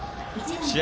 試合